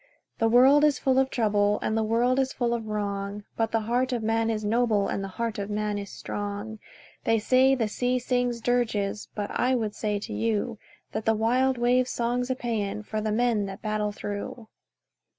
The world is full of trouble, And the world is full of wrong, But the heart of man is noble, And the heart of man is strong! They say the sea sings dirges, But I would say to you That the wild wave's song's a paean For the men that battle through.